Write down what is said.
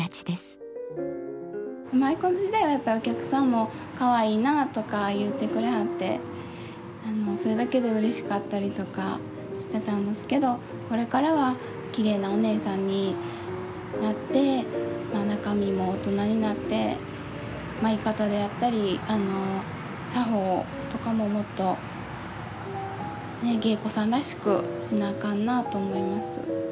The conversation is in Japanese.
舞妓の時代はやっぱりお客さんもかわいいなとか言うてくれはってそれだけでうれしかったりとかしてたんどすけどこれからはきれいなおねえさんになって中身も大人になって舞い方であったり作法とかももっと芸妓さんらしくしなあかんなと思います。